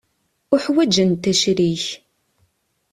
Uḥwaǧent acrik.